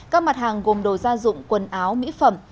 các mặt hàng gồm đồ gia dụng quần áo mỹ phẩm